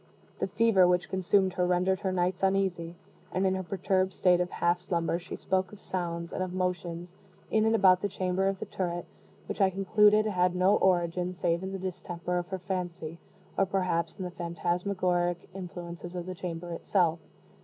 The fever which consumed her rendered her nights uneasy; and in her perturbed state of half slumber, she spoke of sounds, and of motions, in and about the chamber of the turret, which I concluded had no origin save in the distemper of her fancy, or perhaps in the phantasmagoric influences of the chamber itself.